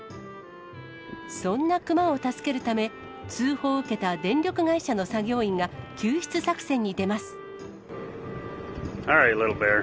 そんな熊を助けるため、通報を受けた電力会社の作業員が、救出作戦に出ます。